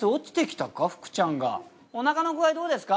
おなかの具合どうですか？